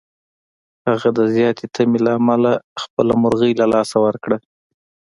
هغه د زیاتې تمې له امله خپله مرغۍ له لاسه ورکړه.